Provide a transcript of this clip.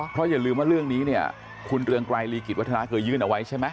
เพราะอย่าลืมว่าเรื่องนี้เนี่ยคุณเรืองไกรลีกิจวัฒนาเคยยื่นเอาไว้ใช่ไหม